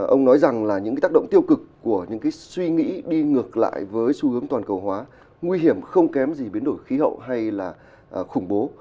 ông nói rằng là những cái tác động tiêu cực của những cái suy nghĩ đi ngược lại với xu hướng toàn cầu hóa nguy hiểm không kém gì biến đổi khí hậu hay là khủng bố